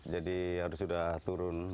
jadi harus sudah turun